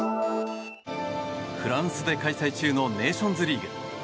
フランスで開催中のネーションズリーグ。